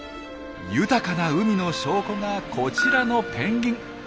豊かな海の証拠がこちらのペンギン。